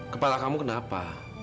kepala kamu kenapa